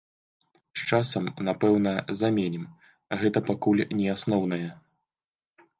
З часам, напэўна, заменім, гэта пакуль не асноўнае.